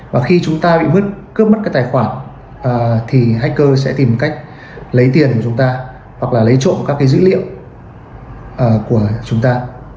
và khi chúng ta bị cướp mất cái tài khoản thì hacker sẽ tìm cách lấy tiền của chúng ta hoặc là lấy trộm các cái dữ liệu của chúng ta